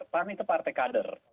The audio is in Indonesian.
pan itu partai kader